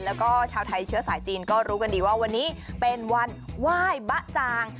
แล้วก็ชาวไทยเชื้อสายจีนก็รู้กันดีว่าวันนี้เป็นวันไหว้บ๊ะจาง